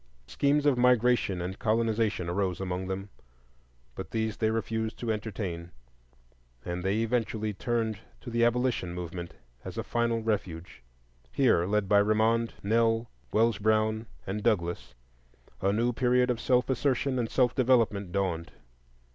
Schemes of migration and colonization arose among them; but these they refused to entertain, and they eventually turned to the Abolition movement as a final refuge. Here, led by Remond, Nell, Wells Brown, and Douglass, a new period of self assertion and self development dawned.